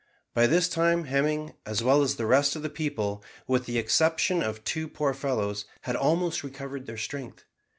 By this time Hemming, as well as the rest of the people, with the exception of two poor fellows, had almost recovered their strength.